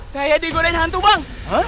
saya digolein hantu bang